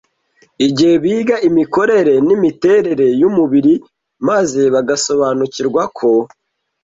Igihe biga imikorere n’imiterere y’umubiri maze bagasobanukirwa ko